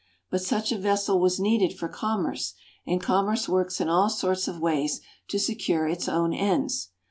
But such a vessel was needed for commerce, and commerce works in all sorts of ways to secure its own ends.